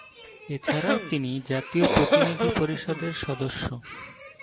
এছাড়াও তিনি জাতীয় প্রতিনিধি পরিষদের সদস্য।